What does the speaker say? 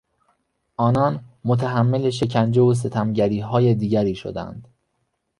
آنان متحمل شکنجه و ستمگریهای دیگری شدند.